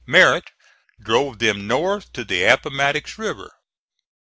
Merritt drove them north to the Appomattox River.